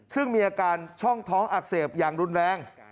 ซึ่งมีอาการช่องท้องอักเสบอย่างรุนแรง